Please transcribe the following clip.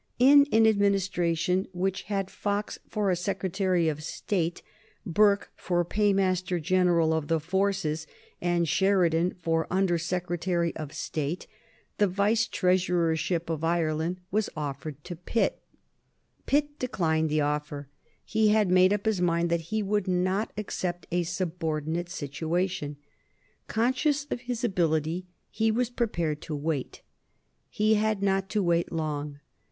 In an Administration which had Fox for a Secretary of State, Burke for Paymaster General of the Forces, and Sheridan for Under Secretary of State, the Vice Treasurership of Ireland was offered to Pitt. [Sidenote: 1782 Fox's quarrel with Pitt] Pitt declined the offer. He had made up his mind that he would not accept a subordinate situation. Conscious of his ability, he was prepared to wait. He had not to wait long.